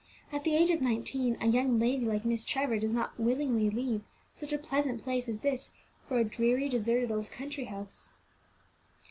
At the age of nineteen, a young lady like Miss Trevor does not willingly leave such a pleasant place as this for a dreary, deserted old country house."